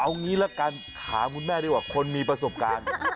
เอางี้ละกันถามคุณแม่ดีกว่าคนมีประสบการณ์